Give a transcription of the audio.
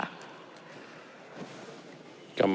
ขอบคุณครับ